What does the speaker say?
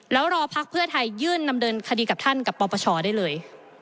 แล้วรอพักเพื่อไทยยื่นดำเนินคดีกับท่านกับปปชได้เลย